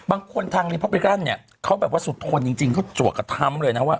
บางคนทางรีพอปิกัลเนี่ยเขาแบบว่าสุดทนจริงเขาจวกกับท้ำเลยนะว่า